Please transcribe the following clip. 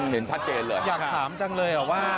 เห็นชัดเจนเลยอยากถามจังเลยว่า